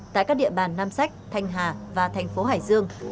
tại các địa bàn nam sách thanh hà và thành phố hải dương